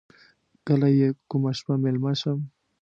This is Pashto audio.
کله یې کومه شپه میلمه شم.